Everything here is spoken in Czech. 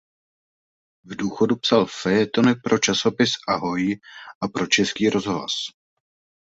V důchodu psal fejetony pro časopis Ahoj a pro Český rozhlas.